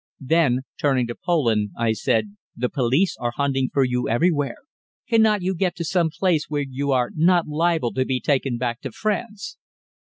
Then, turning to Poland, I said "The police are hunting for you everywhere. Cannot you get to some place where you are not liable to be taken back to France?"